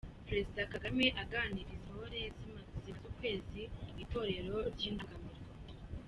Perezida Kagame aganiriza intore zimaze ukwezi mu itorero ry'Indangamirwa.